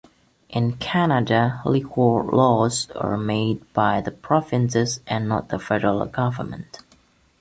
In Canada, liquor laws are made by the provinces and not the federal government.